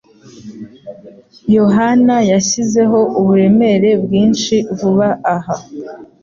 Yohana yashyizeho uburemere bwinshi vuba aha.